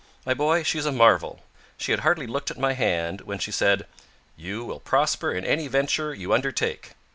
My boy, she's a marvel. She had hardly looked at my hand, when she said: 'You will prosper in any venture you undertake.'